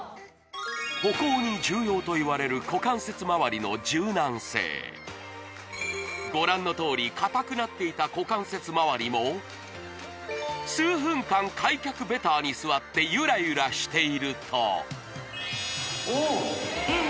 歩行に重要といわれる股関節周りの柔軟性ご覧のとおり硬くなっていた股関節周りも数分間開脚ベターに座ってゆらゆらしていると・おおっ！